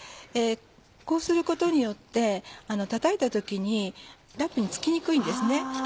こうすることによって叩いた時にラップにつきにくいんですね。